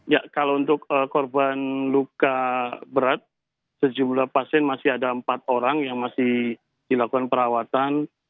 ya kalau untuk korban luka berat sejumlah pasien masih ada empat orang yang masih dilakukan perawatan